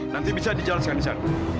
nanti bisa dijelaskan di sana